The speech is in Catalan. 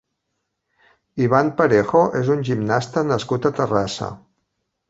Ivan Parejo és un gimnasta nascut a Terrassa.